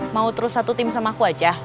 mau terus satu tim sama aku aja